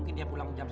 terima kasih mas